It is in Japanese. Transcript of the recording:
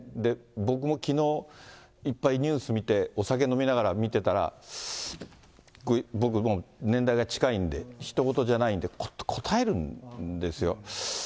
僕もきのう、いっぱいニュース見て、お酒飲みながら見てたら、僕もう、年代が近いんで、ひと事じゃないんで、こたえるんですよ。